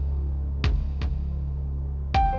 ibu ini bisa bu